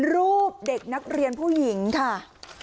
รูปเด็กนักเรียนผู้หญิงค่ะ